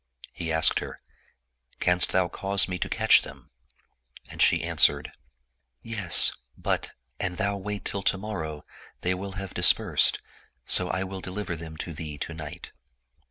He asked her, " Canst thou cause me to catch them? " and she answered, " Yes ; but, an thou wait till to morrow, they will have dispersed ; so I will deliver them to thee to night."